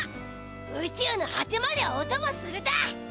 宇宙のはてまでおともするだ！